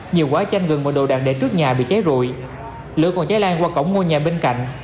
nhiều quái chanh gần một đồ đạn để trước nhà bị cháy rụi lửa còn cháy lan qua cổng ngôi nhà bên cạnh